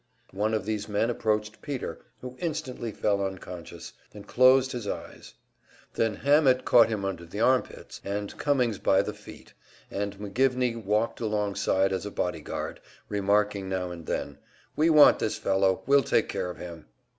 One of these men approached Peter, who instantly fell unconscious, and closed his eyes; then Hammett caught him under the armpits and Cummings by the feet, and McGivney walked alongside as a bodyguard, remarking now and then, "We want this fellow, we'll take care of him."